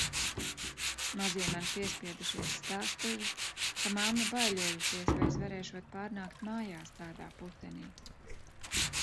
Mazie man piespiedušies stāstīja, ka mamma baiļojusies, vai es varēšot pārnākt mājās tādā putenī.